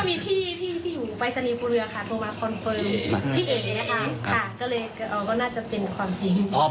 มีพี่ที่อยู่ปรายศนีย์ภูเรือค่ะโทรมาคอนเฟิร์มพี่เอ๋ค่ะก็เลยก็น่าจะเป็นความจริง